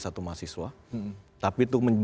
satu mahasiswa tapi itu